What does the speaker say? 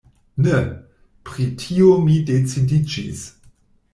Ne! Pri tio mi decidiĝis.